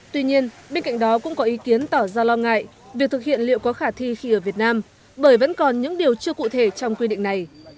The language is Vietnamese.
tuy nhiên bên cạnh đó cũng có ý kiến tỏ ra lo ngại việc thực hiện liệu có khả thi khi ở việt nam bởi vẫn còn những điều chưa cụ thể trong quy định này